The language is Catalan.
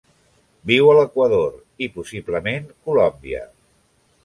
Viu a l'Equador i, possiblement, Colòmbia.